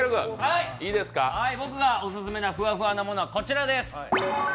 僕がオススメのフワフワなものはこちらです。